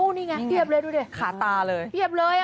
อู้นี่ไงเหี้ยบเลยดูดิขาตาเลย